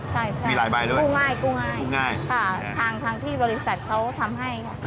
ใช่คือง่ายค่ะทางที่บริษัทเขาทำให้